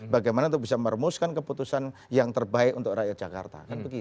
bagaimana untuk bisa meremuskan keputusan yang terbaik untuk rakyat jakarta